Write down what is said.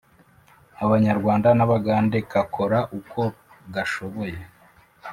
abanyarwanda n'abagande kakora uko gashoboye